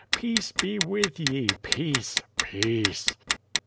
Peace be with ye! Peace! Peace!